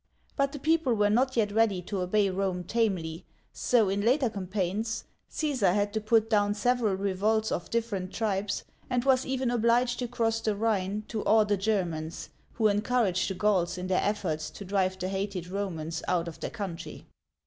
But the peo ple were not yet ready to obey Rome tamely, so in later Digitized by Google ROMANS AND GAULS 29 campaigns Caesar had to put down several revolts of dif ferent tribes, and was even obliged to cross the Rhine to awe the Germans, who encouraged the Gauls in their efforts to drive the hated Romans out of their country.